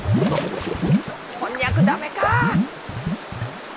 こんにゃく駄目か！